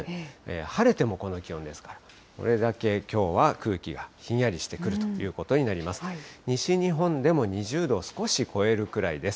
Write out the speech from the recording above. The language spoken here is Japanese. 晴れてもこの気温ですから、これだけきょうは空気がひんやりしてくるということになります。